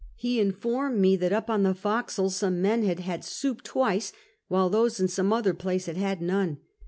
He informed me that up on the forecastle, some men had had soup twice while those in some other place had had none.